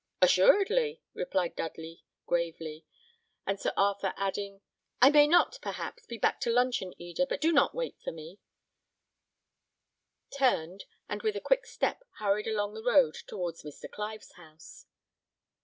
"Assuredly," replied Dudley, gravely; and Sir Arthur adding, "I may not, perhaps, be back to luncheon, Eda, but do not wait for me," turned, and with a quick step hurried along the road towards Mr. Clive's house.